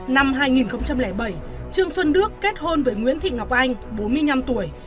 năm hai nghìn bảy trương xuân đức kết hôn với nguyễn thị ngọc anh bốn mươi năm tuổi